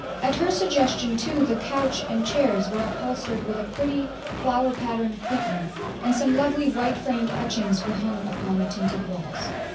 At her suggestion, too, the couch and chairs were upholstered with a pretty flower patterned cretonne, and some lovely white framed etchings were hung upon the tinted walls.